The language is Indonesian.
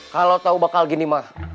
kalau tau bakal gini ma